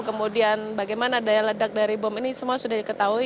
kemudian bagaimana daya ledak dari bom ini semua sudah diketahui